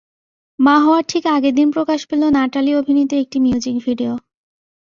মা হওয়ার ঠিক আগের দিন প্রকাশ পেল নাটালি অভিনীত একটি মিউজিক ভিডিও।